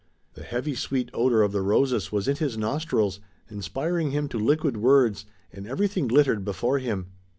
The heavy sweet odor of the roses was in his nostrils, inspiring him to liquid words, and everything glittered before him.